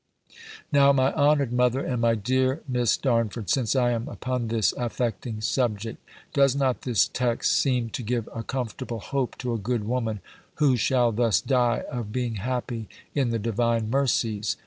Now, my honoured mother, and my dear Miss Darnford since I am upon this affecting subject, does not this text seem to give a comfortable hope to a good woman, who shall thus die, of being happy in the Divine mercies?